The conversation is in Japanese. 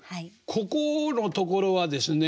ここのところはですね